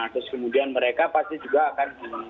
terus kemudian mereka pasti juga akan